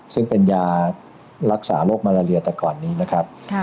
ซึ่งเป็นยารักษาโรคมาลาเลียแต่ก่อนนี้นะครับ